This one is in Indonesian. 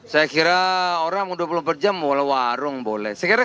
saya kira orang dua puluh empat jam boleh warung boleh